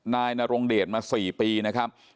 นายนรงเดชมา๔ปีนะครับ